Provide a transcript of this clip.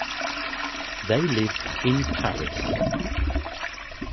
They lived in Paris.